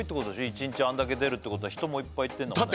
一日あんだけ出るってことは人もいっぱい行ってんだもん